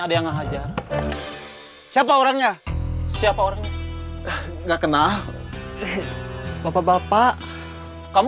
ada yang menghajar siapa orangnya siapa orang nggak kenal bapak bapak kamu